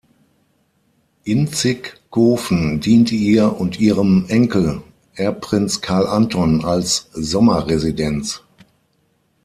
Inzigkofen diente ihr und ihrem Enkel Erbprinz Karl Anton als Sommerresidenz.